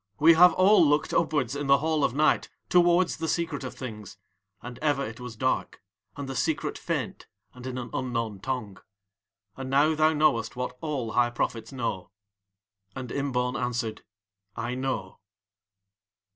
we have all looked upwards in the Hall of Night towards the secret of Things, and ever it was dark, and the Secret faint and in an unknown tongue. And now thou knowest what all High Prophets know." And Imbaun answered: "I know."